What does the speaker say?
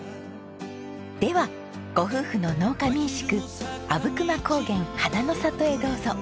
ではご夫婦の農家民宿あぶくま高原花の里へどうぞ。